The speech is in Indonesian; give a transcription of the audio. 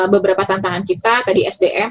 beberapa tantangan kita tadi sdm